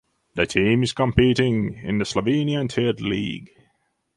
The team is competing in the Slovenian Third League.